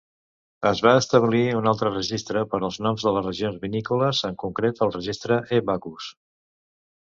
Es va establir un altre registre per als noms de les regions vinícoles, en concret el registre E-Bacchus.